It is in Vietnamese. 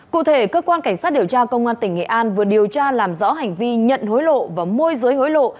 cụ thể cơ quan cảnh sát điều tra công an tỉnh nghệ an vừa điều tra làm rõ hành vi nhận hối lộ và môi giới hối lộ